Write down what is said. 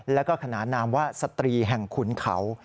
แล้วก็ขนานนามว่าสตรีแห่งขุนเขา